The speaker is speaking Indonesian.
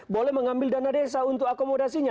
boleh mengambil dana desa untuk akomodasinya